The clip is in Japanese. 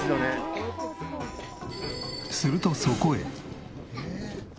するとそこへ。